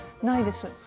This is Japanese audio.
ないです。